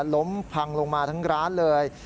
ล้มพังลงมาทั้งร้านเลย